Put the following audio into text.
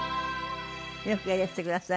よくいらしてくださいました。